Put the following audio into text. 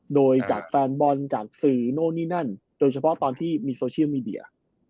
โดยจากแฟนบอลจากสื่อโน่นนี่นั่นโดยเฉพาะตอนที่มีโซเชียลมีเดีย